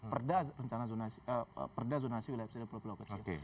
perda zonasi wilayah pulau pulau kecil